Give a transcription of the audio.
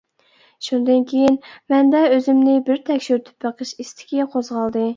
شۇندىن كىيىن مەندە ئۆزۈمنى بىر تەكشۈرتۈپ بېقىش ئىستىكى قوزغالدى.